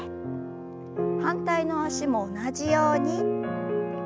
反対の脚も同じように。